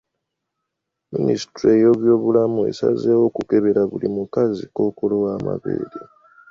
Minisitule y'ebyobulamu esazeewo okukebera buli mukazi Kkookolo w'amabeere.